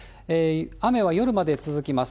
雨は夜まで続きます。